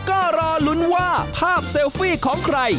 ก็รอลุ้นว่าภาพเซลฟี่ของใคร